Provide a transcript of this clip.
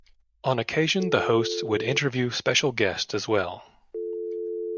On occasion the hosts would interview special guests as well.